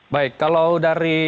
baik kalau dari